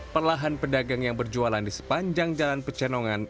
perlahan pedagang yang berjualan di sepanjang jalan pecenongan